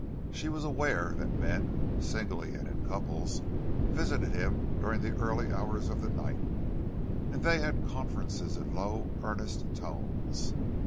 She was aware that men, singly and in couples, visited him during the early hours of the night, and they had conferences in low, earnest tones.